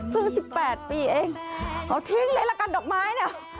คือสิบแปดปีเองเอาทิ้งเลยละกันดอกไม้เนี้ย